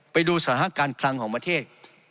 ไปดูสถานการณ์คลังของประเทศ